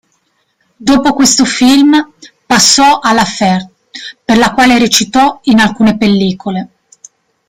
Dopo questo film, passò alla Fert, per la quale recitò in alcune pellicole.